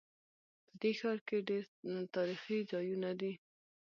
په دې ښار کې ډېر تاریخي ځایونه دي